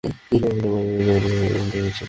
কিছু বাইক এসে গাড়িতে হামলা করে, সব মাল নিয়ে গেছে।